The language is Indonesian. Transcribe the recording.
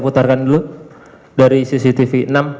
putarkan dulu dari cctv